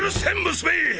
娘。